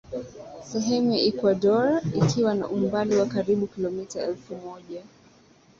sehemu ya Ekuador ikiwa na umbali wa karibu kilomita elfu moja